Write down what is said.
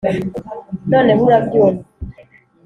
noneho urabyumva